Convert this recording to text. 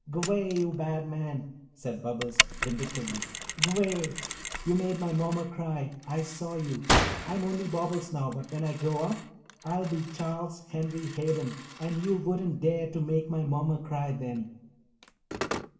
"G'way, you bad man!" said Bobbles vindictively. "G'way! You made my mommer cry—I saw you. I'm only Bobbles now, but when I grow up I'll be Charles Henry Hayden and you won't dare to make my mommer cry then."